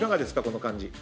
この感じ。